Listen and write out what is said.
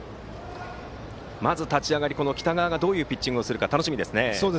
まず立ち上がり、北川がどういうピッチングをするか楽しみですね。